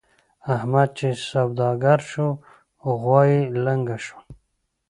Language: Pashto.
احمد چې سوداګر شو؛ غوا يې لنګه شوه.